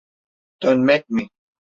Dönmek mi?